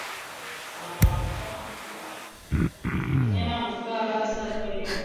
Mnyama kukaa hasa mahali penye kivuli